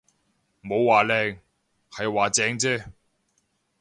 冇話靚，係話正啫